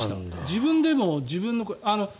自分でも自分の声。